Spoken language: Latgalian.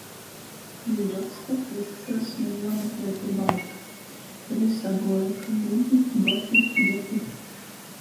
Jī roksta, ka izcelsme juomeklej pi baltu... Tod i saguoja, ka gudi, goti, geti...